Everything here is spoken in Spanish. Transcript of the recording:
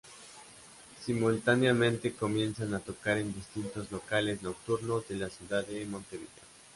Simultáneamente comienzan a tocar en distintos locales nocturnos de la ciudad de Montevideo.